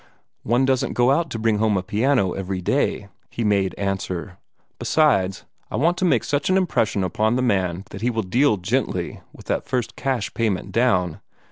"One doesn't go out to bring home a piano every day," he made answer. "Besides, I want to make such an impression upon the man that he will deal gently with that first cash payment down.